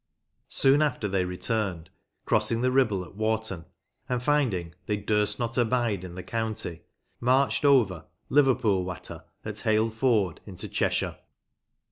Soon after they returned, crossing the Ribble at Warton, and finding they " durst not abide in the county," marched over " Liverpool Watter " at Hale ford into Cheshire.